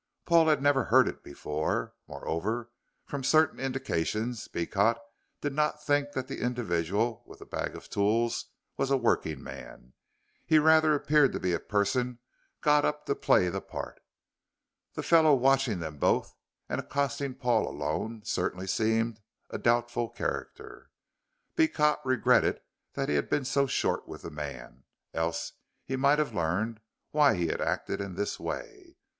Paul had never heard it before. Moreover, from certain indications Beecot did not think that the individual with the bag of tools was a working man. He rather appeared to be a person got up to play the part. The fellow watching them both and accosting Paul alone certainly seemed a doubtful character. Beecot regretted that he had been so short with the man, else he might have learned why he had acted in this way.